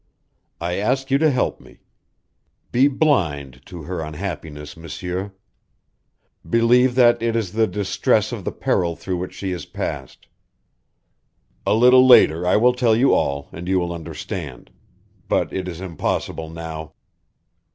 I ask you to help me. Be blind to her unhappiness, M'sieur. Believe that it is the distress of the peril through which she has passed. A little later I will tell you all, and you will understand. But it is impossible now.